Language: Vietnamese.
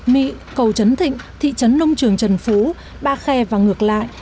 mị cầu trấn thịnh thị trấn nông trường trần phú ba khe và ngược lại